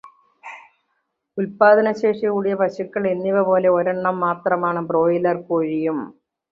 ഉത്പാദനശേഷി കൂടിയ പശുക്കൾ എന്നിവ പോലെ ഒരെണ്ണം മാത്രമാണ് ബ്രോയ്ലർ കോഴിയും.